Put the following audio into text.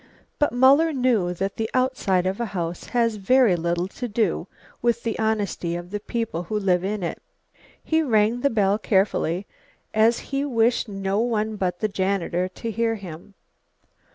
But Muller knew that the outside of a house has very little to do with the honesty of the people who live in it. He rang the bell carefully, as he wished no one but the janitor to hear him.